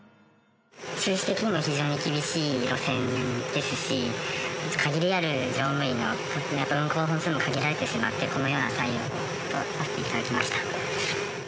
収支的にも非常に厳しい路線ですし限りある乗務員の数だと運行本数も限られてしまってこのような対応とさせていただきました。